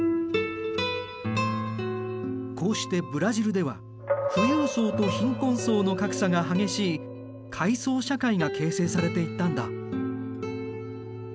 こうしてブラジルでは富裕層と貧困層の格差が激しい階層社会が形成されていったんだ。